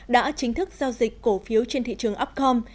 đã chính thức giao dịch cổ phiếu trên thị trường upcom